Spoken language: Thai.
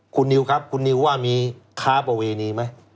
คุณนิวครับคุณนิวว่ามีค้าประเวณีไหม